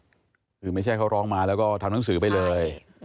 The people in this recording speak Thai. คือไม่ใช่เขาร้องมาแล้วก็ทำหนังสือไปเลย